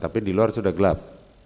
tapi di luar sudah gelap